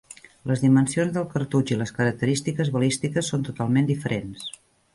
Les dimensions del cartutx i les característiques balístiques són totalment diferents.